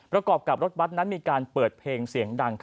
ประกอบกับรถบัตรนั้นมีการเปิดเพลงเสียงดัง